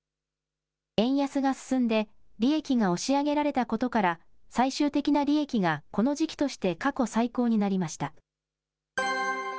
円安が進んで、利益が押し上げられたことから、最終的な利益がこの時期として過去最高になりました。